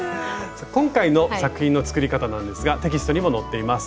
今回の作品の作り方なんですがテキストにも載っています。